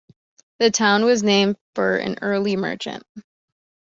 The town was named for an early merchant.